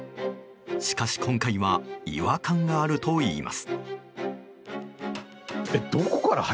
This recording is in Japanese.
しかし、今回は違和感があるといいます。